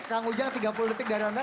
kang ujang tiga puluh detik dari anda